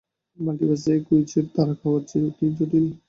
মাল্টিভার্সে এক উইচের তাড়া খাওয়ার চেয়েও কি জটিল?